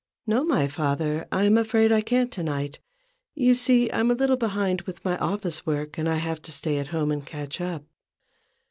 "No, my Father, I'm afraid I can't to night. You see I'm a little behind with my office work, and I have to stay at home and catch up.